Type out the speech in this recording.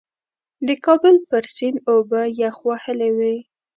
د کابل پر سیند اوبه یخ وهلې وې.